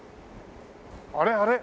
あれあれ？